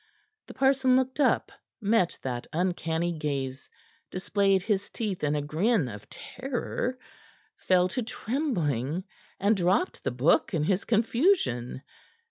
The parson looked up, met that uncanny gaze, displayed his teeth in a grin of terror, fell to trembling, and dropped the book in his confusion.